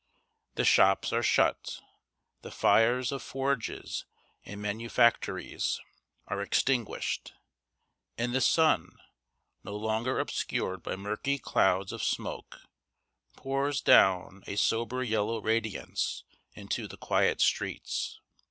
The shops are shut. The fires of forges and manufactories are extinguished, and the sun, no longer obscured by murky clouds of smoke, pours down a sober yellow radiance into the quiet streets.